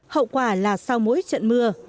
hậu quả là sau mỗi trận mưa